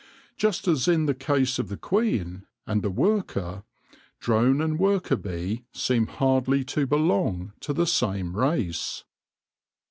Just as in the case of the queen and the worker, drone and worker bee seem hardly to belong to the same race.